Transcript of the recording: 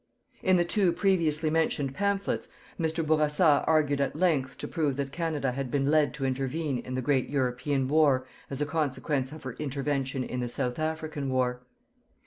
In the two previously mentioned pamphlets, Mr. Bourassa argued at length to prove that Canada had been led to intervene in the great European war as a consequence of her intervention in the South African War.